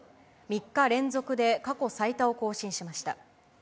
３日連続で過去最多を更新しました。